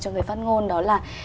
cho người phát ngôn đó là